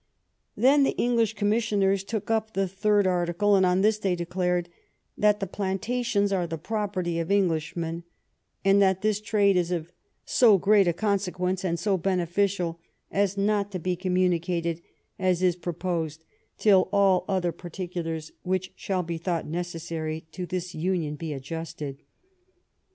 Then the English comimissioners took up the third article, and on this they declared '' that the plantations are the property of Englishmen, and that this trade is of so great a consequence, and so beneiScial, as not to be communicated, as is proposed, till all other par ticulars which shall be thought necessary to this union be adjusted."